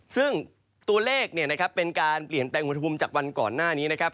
ซึ่งตัวเลขเป็นการเปลี่ยนแปลงอุณหภูมิจากวันก่อนหน้านี้นะครับ